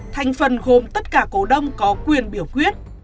thành phần gồm tất cả cổ đông có quyền biểu quyết